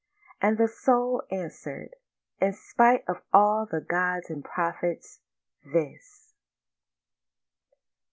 And the soul answeréd, 'In spite of all the gods and prophets—this!